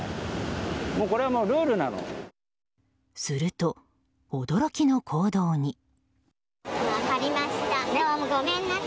すると、驚きの行動に。